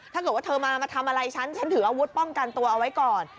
ถ้าเกิดว่าเธอมามาทำอะไรฉันฉันถืออาวุธป้องกันตัวเอาไว้ก่อน